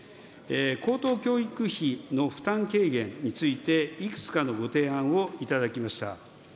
高等教育費の負担軽減について、いくつかのご提案をいただきました。